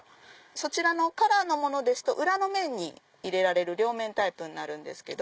そちらのカラーのものですと裏の面に入れられる両面タイプになるんですけど。